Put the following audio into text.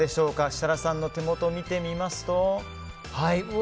設楽さんの手元を見てみますと。